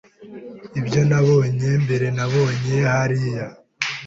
Ibyo ntabonye mbere nabonye hariya